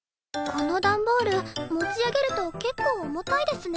この段ボール持ち上げると結構重たいですね。